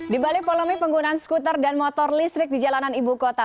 di balik polemi penggunaan skuter dan motor listrik di jalanan ibu kota